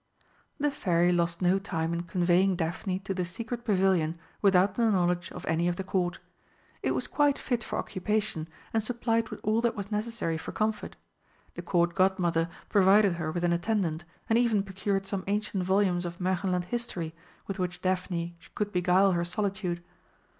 The Fairy lost no time in conveying Daphne to the secret pavilion without the knowledge of any of the Court. It was quite fit for occupation, and supplied with all that was necessary for comfort; the Court Godmother provided her with an attendant, and even procured some ancient volumes of Märchenland history with which Daphne could beguile her solitude.